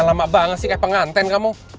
lama banget sih eh penganten kamu